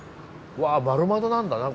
わ丸窓なんだな